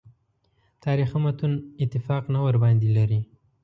تاریخي متون اتفاق نه ورباندې لري.